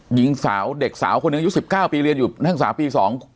หญิงสาวเด็กสาวคนหนึ่ง๑๙ปีเรียนอยู่นั่งสาวปี๒